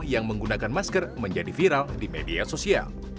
yang menggunakan masker menjadi viral di media sosial